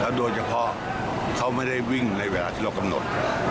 โดยเฉพาะเขาไม่ได้วิ่งในเวลาที่เรากำหนด